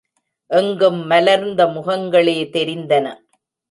எங்கும் மலர்ந்த முகங்களே தெரிந்தன.